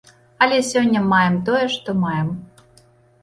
Але сёння маем тое, што маем.